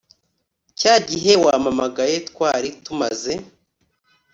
cyagihe wampamagaye twari tumaze